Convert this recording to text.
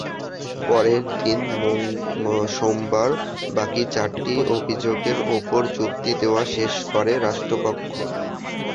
পরের দিন সোমবার বাকি চারটি অভিযোগের ওপর যুক্তি দেওয়া শেষ করে রাষ্ট্রপক্ষ।